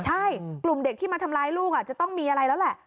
ใช่กลุ่มเด็กที่มาทำร้ายลูกจะต้องมีอะไรแล้วแหละ